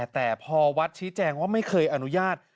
แต่พอวัดชี้แจงว่าไม่เคยอนุญาต